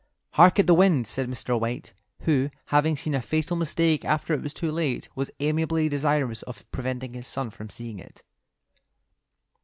"Hark at the wind," said Mr. White, who, having seen a fatal mistake after it was too late, was amiably desirous of preventing his son from seeing it.